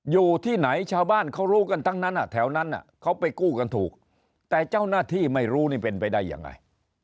อยู่ที่ไหนชาวบ้านเขารู้กันทั้งนั้นแถวนั้นเขาไปกู้กันถูกแต่เจ้าหน้าที่ไม่รู้นี่เป็นไปได้ยังไง